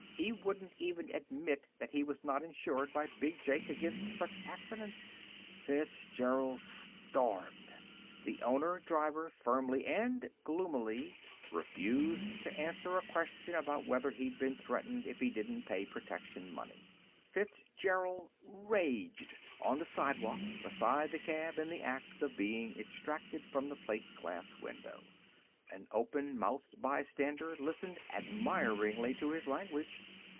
He wouldn't even admit that he was not insured by Big Jake against such accidents. Fitzgerald stormed. The owner driver firmly and gloomily refused to answer a question about whether he'd been threatened if he didn't pay protection money. Fitzgerald raged, on the sidewalk beside the cab in the act of being extracted from the plate glass window. An open mouthed bystander listened admiringly to his language.